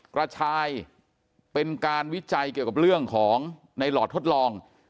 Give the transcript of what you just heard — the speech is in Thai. กระชายเป็นการวิจัยเกี่ยวกับเรื่องของในหลอดทดลอง